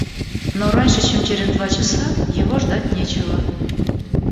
Но раньше, чем через два часа, его ждать нечего.